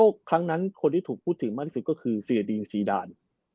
ครั้งนั้นคนที่ถูกพูดถึงมากที่สุดก็คือเสียดีงซีด่าน